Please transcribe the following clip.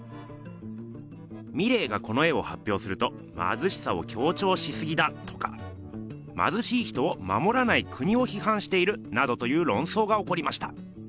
ミレーがこの絵をはっぴょうすると「まずしさをきょうちょうしすぎだ」とか「まずしい人をまもらない国をひはんしている」などというろんそうがおこりました。